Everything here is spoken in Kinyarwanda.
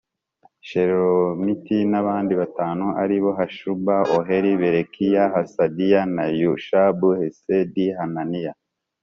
Shelomiti n abandi batanu ari bo Hashuba Oheli Berekiya Hasadiya na Yushabu Hesedi Hananiya